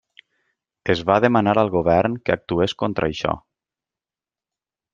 Es va demanar al govern que actués contra això.